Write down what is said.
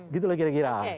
gitu lah kira kira